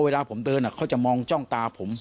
เวลาผมเดินเขาจะมองจ้องตาผม